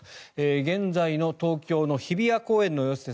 現在の東京の日比谷公園の様子です。